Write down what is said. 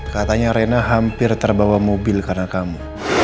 katanya reina hampir terbawa mobil karena kamu